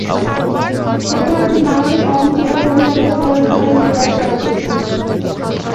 বর্তমানে তিনি বাংলাদেশ আওয়ামী যুব মহিলা লীগের সাধারণ সম্পাদক হিসাবে দায়িত্ব পালন করছেন।